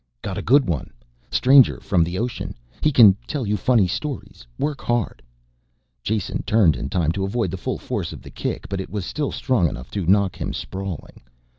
"Got a good one. Stranger from the ocean. He can tell you funny stories, work hard." Jason turned in time to avoid the full force of the kick, but it was still strong enough to knock him sprawling.